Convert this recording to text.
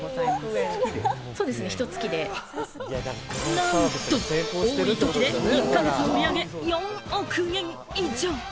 なんと多い時で１か月の売り上げ４億円以上！